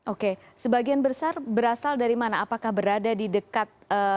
oke sebagian besar berasal dari mana apakah berada di dekat